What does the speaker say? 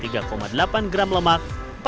tiga delapan gram lemak